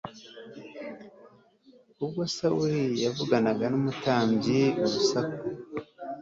Ubwo Sawuli yavuganaga n umutambyi urusaku